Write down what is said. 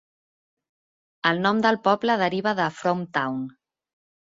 El nom del poble deriva de "Frome Town".